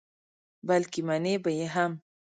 بلکې منې به یې هم.